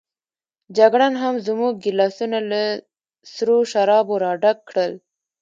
جګړن هم زموږ ګیلاسونه له سرو شرابو راډک کړل.